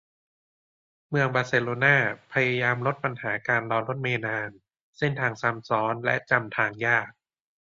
เมืองบาร์เซโลน่า พยายามลดปัญหาการรอรถเมล์นาน เส้นทางซ้ำซ้อน และจำทางยาก